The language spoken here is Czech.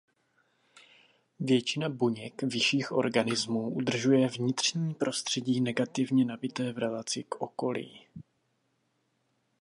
Většina buněk vyšších organismů udržuje vnitřní prostředí negativně nabité v relaci k okolí.